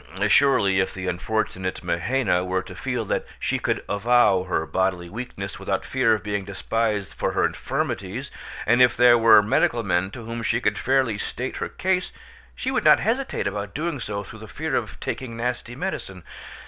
Surely, if the unfortunate Mahaina were to feel that she could avow her bodily weakness without fear of being despised for her infirmities, and if there were medical men to whom she could fairly state her case, she would not hesitate about doing so through the fear of taking nasty medicine.